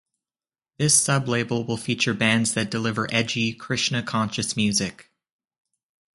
This sub-label will feature bands that deliver edgy, Krishna-conscious music.